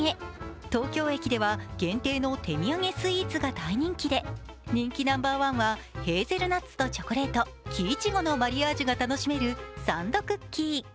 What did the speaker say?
東京駅では限定の手土産スイーツが大人気で人気ナンバー１は、ヘーゼルナッツとチョコレート、木苺のマリアージュが楽しめるサンドクッキー。